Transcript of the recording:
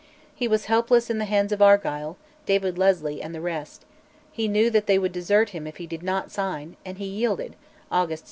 He was helpless in the hands of Argyll, David Leslie, and the rest: he knew they would desert him if he did not sign, and he yielded (August 16).